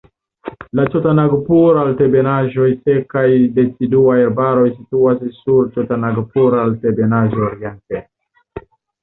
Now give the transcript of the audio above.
La ĉotanagpur-altebenaĵaj sekaj deciduaj arbaroj situas sur Ĉotanagpur-Altebenaĵo oriente.